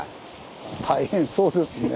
大変そうですね。